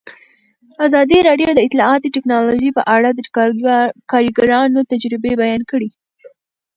ازادي راډیو د اطلاعاتی تکنالوژي په اړه د کارګرانو تجربې بیان کړي.